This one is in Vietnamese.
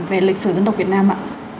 về lịch sử dân độc việt nam ạ